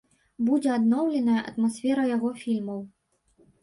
Будзе адноўленая атмасфера яго фільмаў.